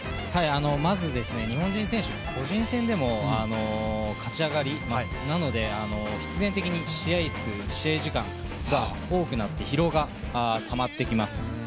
まず日本人選手個人戦でも勝ち上がってなので、必然的に試合数、試合時間が多くなりますので疲労がたまってきます。